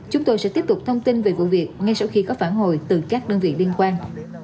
chúng tôi sẽ tiếp tục thông tin về vụ việc ngay sau khi có phản hồi từ các đơn vị liên quan